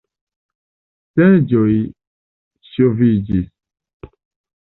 Seĝoj ŝoviĝis.